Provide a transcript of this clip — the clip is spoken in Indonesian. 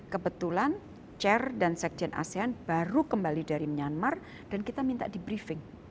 kebetulan chair dan sekjen asean baru kembali dari myanmar dan kita minta di briefing